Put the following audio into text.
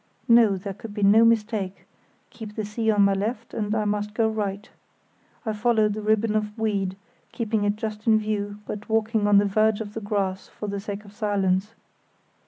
No! there could be no mistake; keep the sea on my left and I must go right. I followed the ribbon of weed, keeping it just in view, but walking on the verge of the grass for the sake of silence.